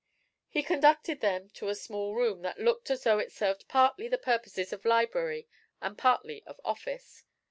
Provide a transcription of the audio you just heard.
He conducted them to a small room that looked as though it served partly the purposes of library and partly of office.